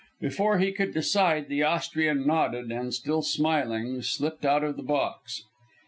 Before he could decide, the Austrian nodded and, still smiling, slipped out of the box.